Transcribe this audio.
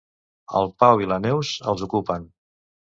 El Pau i la Neus els ocupen.